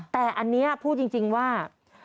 แต่อันนี้พูดจริงว่า